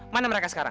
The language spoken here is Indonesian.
mana mereka sekarang